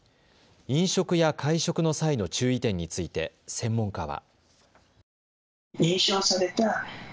飲食や会食の際の注意点について専門家は。